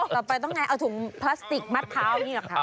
ตลอดไปต้องเอาถุงพลาสติกมัดเท้านี่หรอครับ